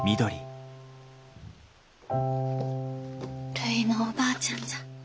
るいのおばあちゃんじゃ。